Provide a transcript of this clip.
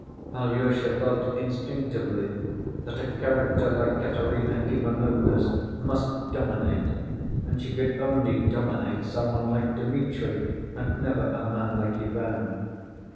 Alyosha felt instinctively that a character like Katerina Ivanovna's must dominate, and she could only dominate some one like Dmitri, and never a man like Ivan.